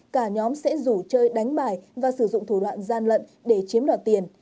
cả nhóm sẽ rủ chơi đánh bài và sử dụng thủ đoạn gian lận để chiếm đoạt tiền